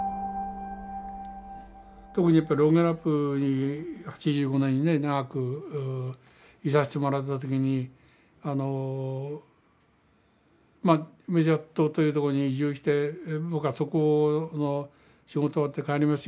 特にやっぱロンゲラップに８５年に長くいさせてもらった時にあのまあメジャト島というとこに移住して僕はそこの仕事終わって帰ります